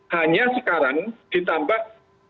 hanya sekarang ditambah